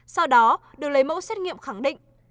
sau đó được lấy mẫu xét nghiệm khẳng định